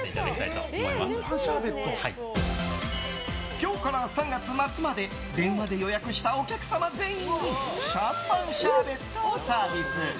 今日から３月末まで電話で予約したお客様全員にシャンパンシャーベットをサービス。